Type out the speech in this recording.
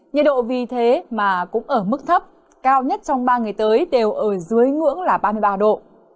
nhiệt độ vì thế mà cũng ở mức thấp cao nhất trong ba ngày tới đều ở dưới ngưỡng là ba mươi ba độ